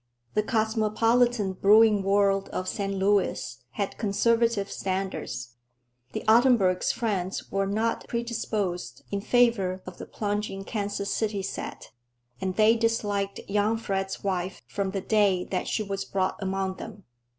The cosmopolitan brewing world of St. Louis had conservative standards. The Ottenburgs' friends were not predisposed in favor of the plunging Kansas City set, and they disliked young Fred's wife from the day that she was brought among them.